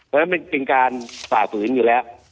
เพราะฉะนั้นมันเป็นการฝ่าฝืนอยู่แล้ว